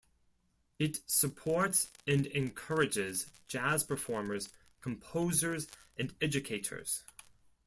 It supports and encourages jazz performers, composers and educators.